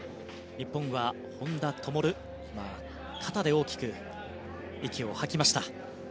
日本は本多灯肩で大きく息を吐きました。